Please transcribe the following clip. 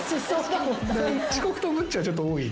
遅刻とブッチはちょっと多い。